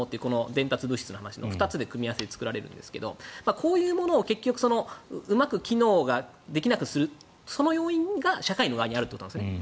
伝達物質の話の２つの組み合わせで作られるんですけどこれがうまく機能できなくするその要因が社会の側にあるということですね。